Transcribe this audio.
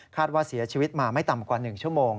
ว่าเสียชีวิตมาไม่ต่ำกว่า๑ชั่วโมง